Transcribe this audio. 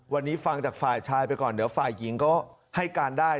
วันนี้ฟังจากฝ่ายชายไปก่อนเดี๋ยวฝ่ายหญิงก็ให้การได้